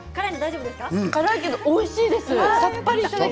辛いけど、おいしいです。